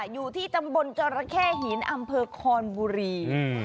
อยู่ที่ตำบลจรเข้หินอำเภอคอนบุรี